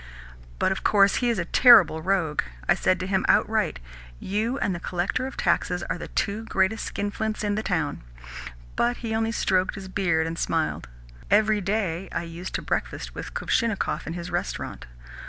But of course he is a terrible rogue. I said to him outright: 'You and the Collector of Taxes are the two greatest skinflints in the town.' But he only stroked his beard and smiled. Every day I used to breakfast with Kuvshinnikov in his restaurant.